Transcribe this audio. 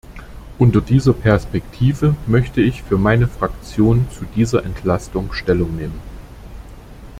Unter dieser Perspektive möchte ich für meine Fraktion zu dieser Entlastung Stellung nehmen.